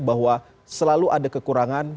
bahwa selalu ada kekurangan